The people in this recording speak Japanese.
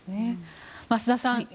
増田さん